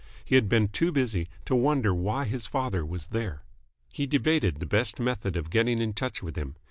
He had been too busy to wonder why his father was there. He debated the best method of getting in touch with him.